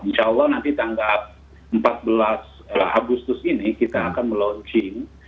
insya allah nanti tanggal empat belas agustus ini kita akan melaunching